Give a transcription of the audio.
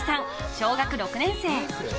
小学６年生。